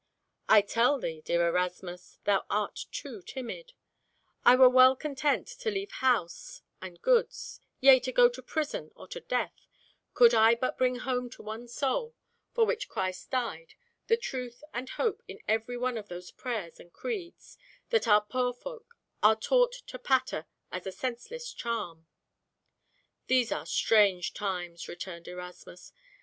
"I tell thee, dear Erasmus, thou art too timid; I were well content to leave house and goods, yea, to go to prison or to death, could I but bring home to one soul, for which Christ died, the truth and hope in every one of those prayers and creeds that our poor folk are taught to patter as a senseless charm." "These are strange times," returned Erasmus.